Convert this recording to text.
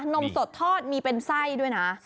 นมสดทอดมีเป็นไส้ด้วยนะ